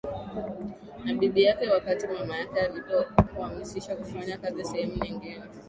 Na bibi yake wakati mama yake alipo hamishwa kufanya kazi sehemu nyingine